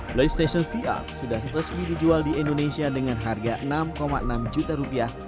playstation vr sudah resmi dijual di indonesia dengan harga enam enam juta rupiah